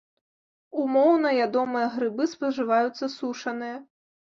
Умоўна ядомыя грыбы, спажываюцца сушаныя.